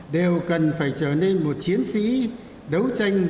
đều cần phải trở nên một chiến sĩ đấu tranh